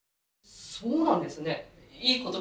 そうなんですね。